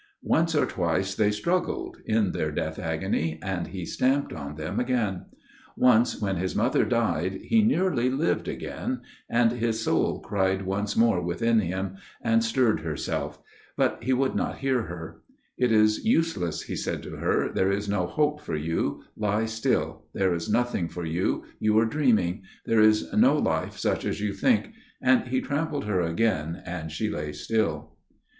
Once or twice they struggled, in their death agony, and he stamped on them again. Once when his mother died, he nearly lived again ; and his soul cried once more within him, and stirred herself ; but he would not hear her ; it is useless, he said to her, there is no hope for you ; lie still ; there is nothing for you ; you are dreaming ; there is no life such as you think ; and he trampled her again, and she lay still."